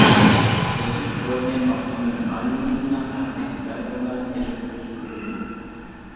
ئۆسۈش ئورنى ئاپتونوم رايونىمىزنىڭ ھەرقايسى جايلىرىدا تېرىپ ئۆستۈرۈلىدۇ.